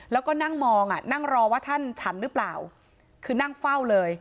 แล้วก็นั่งมองอ่ะนั่งรอว่าท่านฉันหรือเปล่าคือนั่งเฝ้าเลย